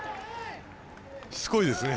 しつこいですね。